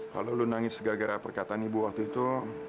kalau lu nangis gara gara perkataan ibu waktu itu